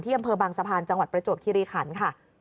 อำเภอบางสะพานจังหวัดประจวบคิริขันค่ะ